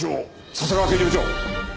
笹川刑事部長！